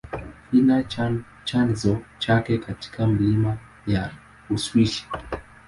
Ina chanzo chake katika milima ya Uswisi.